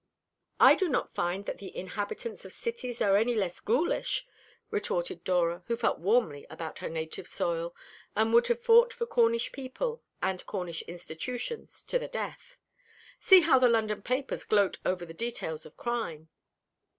"I do not find that the inhabitants of cities are any less ghoulish," retorted Dora, who felt warmly about her native soil, and would have fought for Cornish people and Cornish institutions to the death. "See how the London papers gloat over the details of crime."